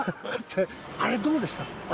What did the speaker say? あれどうでした？